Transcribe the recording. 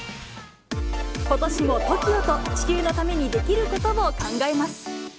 ことしもＴＯＫＩＯと、地球のためにできることを考えます。